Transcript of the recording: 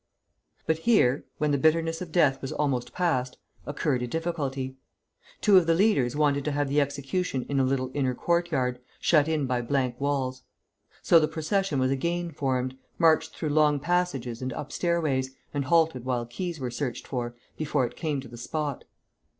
But here, when the bitterness of death was almost passed, occurred a difficulty. Two of the leaders wanted to have the execution in a little inner courtyard, shut in by blank walls. So the procession was again formed, marched through long passages and up stairways, and halted while keys were searched for, before it came to the spot.